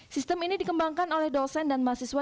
sistem ini dikembangkan oleh dosen dan mahasiswa